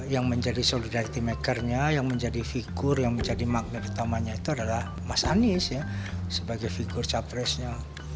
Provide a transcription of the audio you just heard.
yang menjadi solidarity makernya yang menjadi figur yang menjadi magnet utamanya itu adalah mas anies ya sebagai figur capresnya